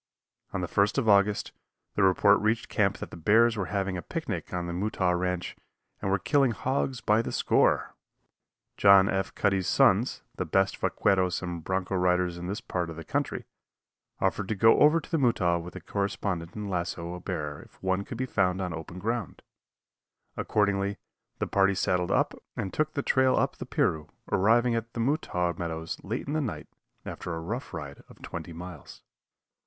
On the 1st of August, the report reached camp that the bears were having a picnic on the Mutaw ranch and were killing hogs by the score. John F. Cuddy's sons, the best vaqueros and bronco riders in this part of the country, offered to go over to the Mutaw with the correspondent and lasso a bear if one could be found on open ground; accordingly, the party saddled up and took the trail up the Piru, arriving at the Mutaw meadows late in the night, after a rough ride of twenty miles.